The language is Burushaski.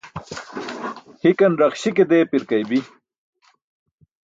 Hikan raxśi ke deepi̇rkaybi̇.